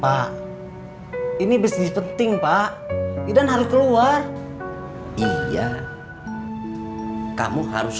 pak ini bisnis penting pak idan harus keluar iya kamu harus